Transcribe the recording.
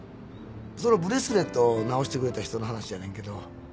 そのブレスレット直してくれた人の話やねんけど。